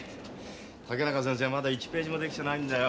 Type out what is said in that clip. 竹中先生まだ１ページもできてないんだよ。